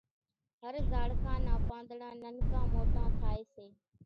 هر زاڙکا نان پانۮڙان ننڪان موٽان ٿائيَ سي۔